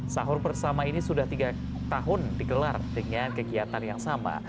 sahur bersama ini sudah tiga tahun digelar dengan kegiatan yang sama